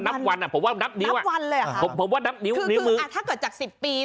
นับวันอะผมว่านับนิ้วอะคือคืออะถ้าเกิดจาก๑๐ปี